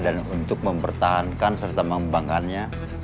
dan untuk mempertahankan serta membangkannya